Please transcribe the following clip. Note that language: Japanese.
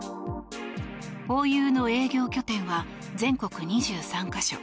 ホーユーの営業拠点は全国２３か所。